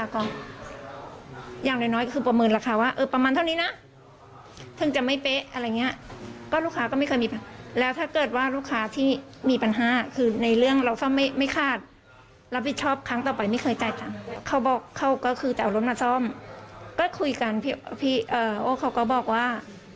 เขาบอกเขาก็คือจะเอารถมาซ่อมก็คุยกันพี่โอ๊คเขาก็บอกว่า